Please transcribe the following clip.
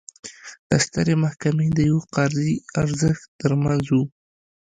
د سترې محکمې د یوه قاضي ارزښت ترمنځ و.